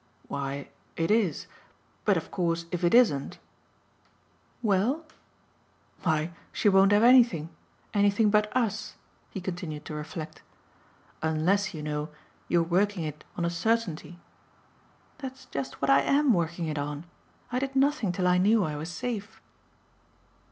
"Why, it is. But of course if it isn't " "Well?" "Why, she won't have anything. Anything but US," he continued to reflect. "Unless, you know, you're working it on a certainty !" "That's just what I AM working it on. I did nothing till I knew I was safe."